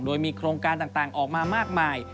โดยมีโครงการต่างออกมามากมาย